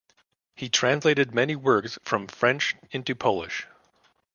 He translated many works from French into Polish.